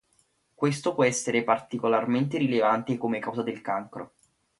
Questo può essere particolarmente rilevante come causa del cancro.